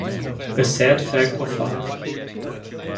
A sad fact of life.